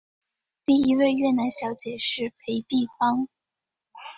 第一位越南小姐是裴碧芳。